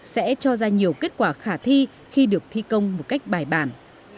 sẽ cho ra nhiều kết quả khả thi khi được thi công một cách bài bản